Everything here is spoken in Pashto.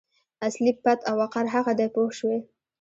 اصلي پت او وقار هغه دی پوه شوې!.